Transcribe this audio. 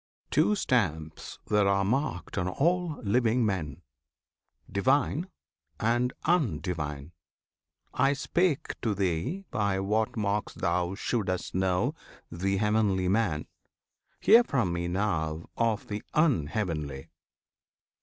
Two stamps there are marked on all living men, Divine and Undivine; I spake to thee By what marks thou shouldst know the Heavenly Man, Hear from me now of the Unheavenly!